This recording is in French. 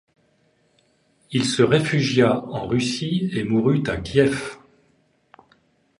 Il se réfugia en Russie et mourut à Kiev.